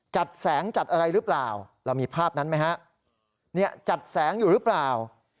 จัดแสงจัดอะไรหรือเปล่า